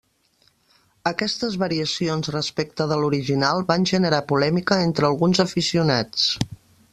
Aquestes variacions respecte de l'original van generar polèmica entre alguns aficionats.